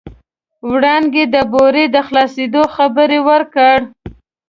وړانګې د بورې د خلاصېدو خبر ورکړ.